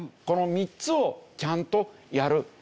この３つをちゃんとやる。